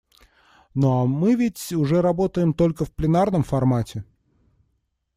Ну а мы ведь уже работаем только в пленарном формате.